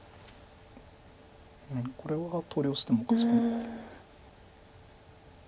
これは投了してもおかしくないです。